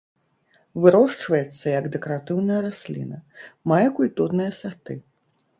Вырошчваецца як дэкаратыўная расліна, мае культурныя сарты.